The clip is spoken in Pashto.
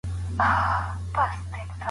مغلانو او صفویانو پر دې خاوره جنګونه کړي دي.